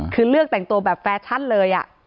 คือเลือกแต่งตัวแบบแฟชั่นเลย